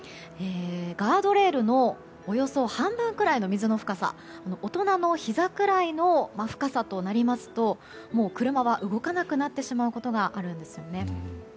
ガードレールのおよそ半分くらいの水の深さ大人のひざくらいの深さとなりますともう車は動かなくなってしまうことがあるんですよね。